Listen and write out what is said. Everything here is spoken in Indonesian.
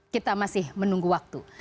kita masih menunggu waktu